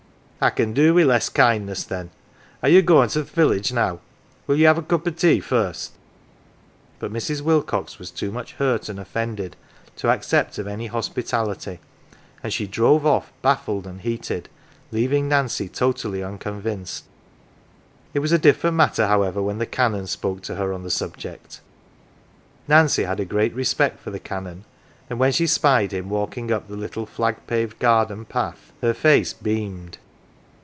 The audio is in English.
" I can do wi' less kindness, then. Are you goin" 1 to th" village now ? Will you have a cup o 1 tea first ?" But Mrs. Wilcox was too much hurt and offended to accept of any hospitality, and she drove off, baffled and heated, leaving Nancy totally unconvinced. It was a different matter, however, when the Canon spoke to her on the subject. Nancy had a great respect for the Canon, and when she spied him walking up the little flag paved garden path her face beamed.